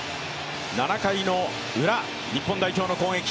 ７回のウラ、日本代表の攻撃。